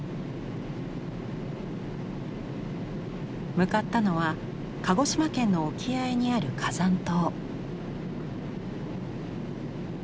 向かったのは鹿児島県の沖合にある火山島。